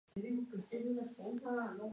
Incluso algunas tienen sonido Dolby Digital.